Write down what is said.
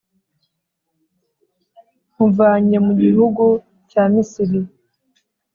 nkuvanye mu gihugu cya Misiri.